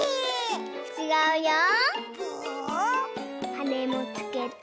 はねもつけて。